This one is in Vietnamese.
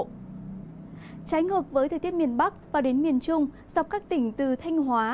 trái ngược với thời tiết miền bắc và đến miền trung dọc các tỉnh từ thanh hóa